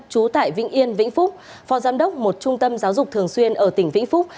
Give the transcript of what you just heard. trú tại vĩnh yên vĩnh phúc phó giám đốc một trung tâm giáo dục thường xuyên ở tỉnh vĩnh phúc